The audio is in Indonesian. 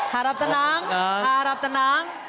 harap tenang harap tenang